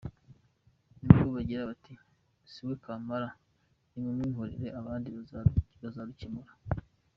Ni bwo bagira bati “Si we kamara, nimumwihorere abandi bazarukemura.